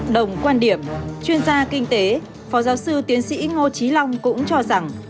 đồng quan điểm chuyên gia kinh tế phó giáo sư tiến sĩ ngô trí long cũng cho rằng